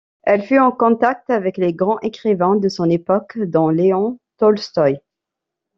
Elle fut en contact avec les grands écrivains de son époque dont Léon Tolstoï.